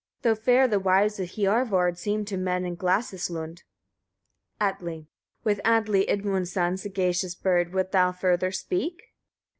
though fair the wives of Hiorvard seem to men in Glasis lund. Atli. 2. With Atli, Idmund's son, sagacious bird! wilt thou further speak?